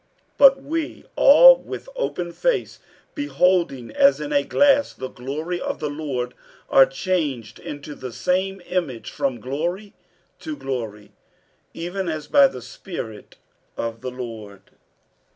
47:003:018 But we all, with open face beholding as in a glass the glory of the Lord, are changed into the same image from glory to glory, even as by the Spirit of the Lord.